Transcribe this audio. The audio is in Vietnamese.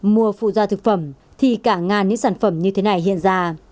mua phụ gia thực phẩm thì cả ngàn những sản phẩm như thế này